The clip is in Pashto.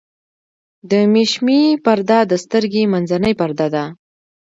د مشیمیې پرده د سترګې منځنۍ پرده ده.